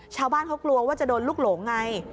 ชาวบ้านเขากลัวว่าจะโดนลูกหลงไง